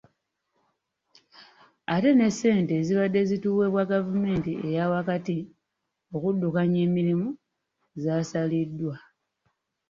Ate ne ssente ezibadde zituweebwa gavumenti eyaawakati okuddukanya emirimu zaasaliddwa.